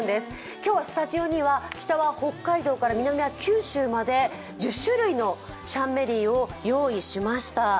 今日はスタジオには北は北海道から南は九州まで１０種類のシャンメリーを用意しました。